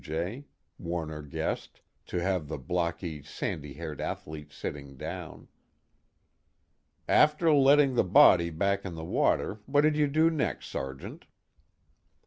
J., Warner guessed, to have the blocky sandy haired athlete sitting down. "After letting the body back in the water, what did you do next, Sergeant?"